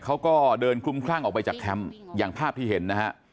เขาก็เดินคลุมคลั่งออกไปจากแคมป์อย่างภาพที่เห็นนะฮะ